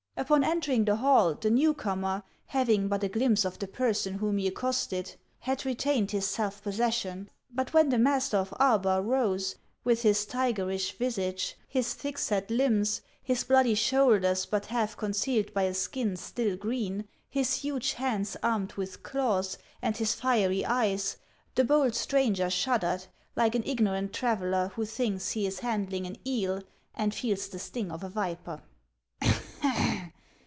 Upon entering the hall, the new corner, having but a glimpse of the person whom he accosted, had retained his self possession ; but when the master of Arbar rose, with his tigerish visage, his thick set limbs, his bloodv shoulders, O O *»/ but half concealed by a skin still green, his huge hands armed with claws, and his fiery eyes, the bold stranger shuddered, like an ignorant traveller who thinks he is handling an eel and feels the sting of a viper.